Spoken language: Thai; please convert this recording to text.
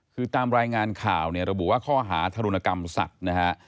คือตามรายงานข่าวเนี่ยระบุว่าข้อหาธรุณกรรมสัตว์นะฮะ